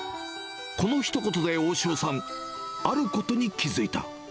このひと言で大塩さん、あることに気付いた。